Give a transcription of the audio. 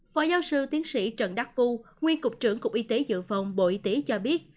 phó giáo sư tiến sĩ trần đắc phu nguyên cục trưởng cục y tế dự phòng bộ y tế cho biết